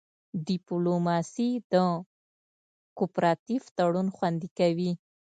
ډیپلوماسي د کوپراتیف تړون خوندي کوي